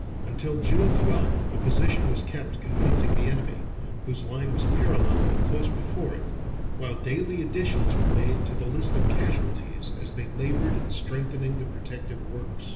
Until June 12th the position was kept confronting the enemy, whose line was parallel and close before it, while daily additions were made to the list of casualties as they labored in strengthening the protective works.